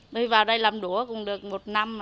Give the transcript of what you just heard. về vào đây làm đổ cũng được một năm